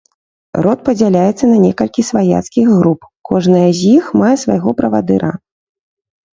Род падзяляецца на некалькі сваяцкіх груп, кожная з іх мае свайго правадыра.